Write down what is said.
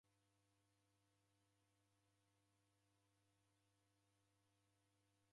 Kwavika nyumbenyi ama bado.